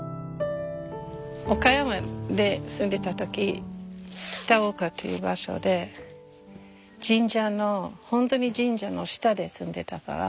岡山で住んでた時片岡っていう場所で本当に神社の下で住んでたから。